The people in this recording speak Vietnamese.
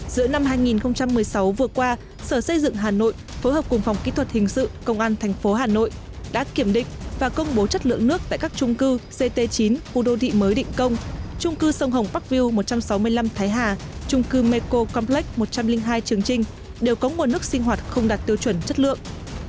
giữa năm hai nghìn một mươi sáu vừa qua sở xây dựng hà nội phối hợp cùng phòng kỹ thuật hình sự công an tp hà nội đã kiểm định và công bố chất lượng nước tại các trung cư ct chín khu đô thị mới định công trung cư sông hồng park view một trăm sáu mươi năm thái hà trung cư meco complex một trăm linh hai trường trinh đều có nguồn nước sinh hoạt không đạt tiêu chuẩn chất lượng